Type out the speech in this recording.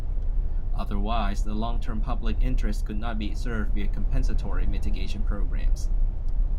Otherwise, the long-term public interest could not be served via compensatory mitigation programs.